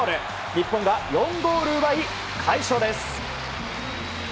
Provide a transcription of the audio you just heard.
日本が４ゴール奪い快勝です。